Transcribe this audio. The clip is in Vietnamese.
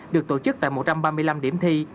được tổ chức tại một trăm ba mươi năm điểm thi